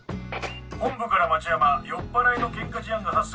本部から町山酔っぱらいのケンカ事案が発生。